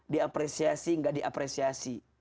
diapresiasi gak diapresiasi